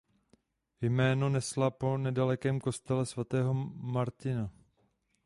Jméno nesla po nedalekém kostele svatého Martina.